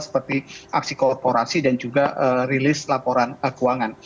seperti aksi korporasi dan juga rilis laporan keuangan